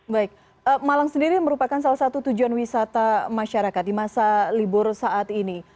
baik malang sendiri merupakan salah satu tujuan wisata masyarakat di masa libur saat ini